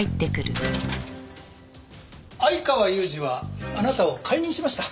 相川裕治はあなたを解任しました。